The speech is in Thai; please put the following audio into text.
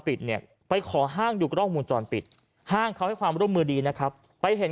ปิดเนี่ยไปขอห้างดูกล้องวงจรปิดห้างเขาให้ความร่วมมือดีนะครับไปเห็น